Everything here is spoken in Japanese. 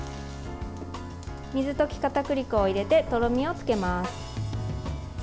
水溶きかたくり粉を入れてとろみをつけます。